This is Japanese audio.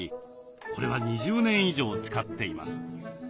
これは２０年以上使っています。